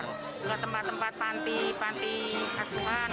juga tempat tempat panti panti asuhan